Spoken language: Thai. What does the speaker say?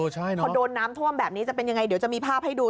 พอโดนน้ำท่วมแบบนี้จะเป็นยังไงเดี๋ยวจะมีภาพให้ดู